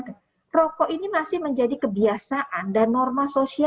karena rokok ini masih menjadi kebiasaan dan norma sosialnya